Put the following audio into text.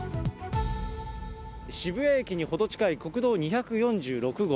渋谷駅にほど近い国道２４６号。